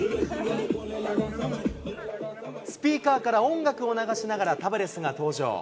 スピーカーから音楽を流しながら、タバレスが登場。